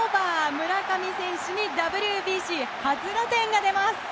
村上選手にＷＢＣ初打点が出ます。